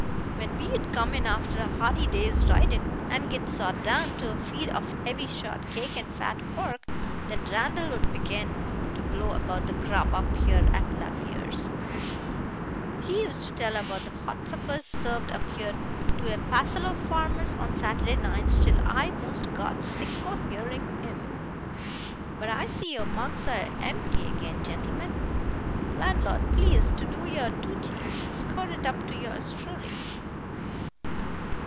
When we'd come in after a hard day's ridin', and git sot down to a feed of heavy short cake and fat pork, then Randall 'ud begin to blow about the grub up here at Lapierre's. He used to tell about the hot suppers served up here to a passel o' farmers on Saturday nights till I most got sick o' hearing him. But I see your mugs air empty again, gentlemen. Landlord, please to do your dooty, and score it up to yours truly."